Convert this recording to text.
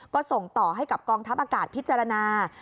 ก็ส่งต่อให้กับกองทัพอากาศพิจารณา